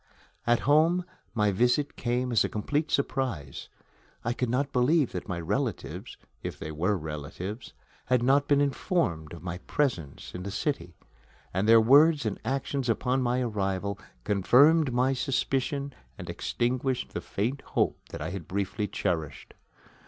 At home my visit came as a complete surprise. I could not believe that my relatives if they were relatives had not been informed of my presence in the city, and their words and actions upon my arrival confirmed my suspicion and extinguished the faint hope I had briefly cherished.